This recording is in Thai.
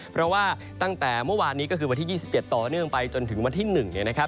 เพราะว่าตั้งแต่เมื่อวานนี้ก็คือวันที่๒๗ต่อเนื่องไปจนถึงวันที่๑เนี่ยนะครับ